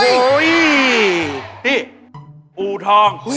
พี่ปูทอง